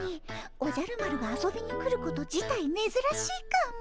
おじゃる丸が遊びに来ること自体めずらしいかも。